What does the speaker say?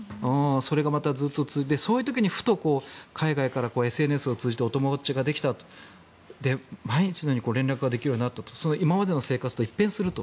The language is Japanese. それがまた、ずっと続いてそういう時にふと海外からＳＮＳを通じてお友達ができた毎日のように連絡ができるようになった今までの生活と一変すると。